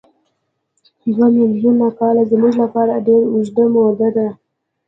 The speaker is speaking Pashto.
دوه میلیونه کاله زموږ لپاره ډېره اوږده موده ده.